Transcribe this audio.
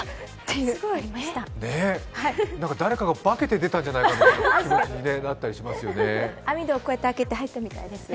誰かが化けて出たんじゃないかという気になったりしますね。